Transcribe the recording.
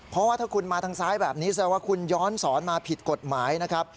เพราะว่าถ้าคุณมาทางซ้ายแบบนี้แสดงว่าคุณย้อนสอนมาผิดกฎหมายนะครับ